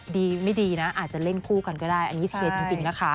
ดีไม่ดีนะอาจจะเล่นคู่กันก็ได้อันนี้เชียร์จริงนะคะ